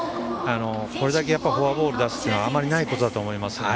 これだけフォアボールを出すのはあまりないことだと思います。